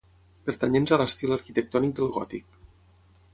Pertanyents a l'estil arquitectònic del gòtic.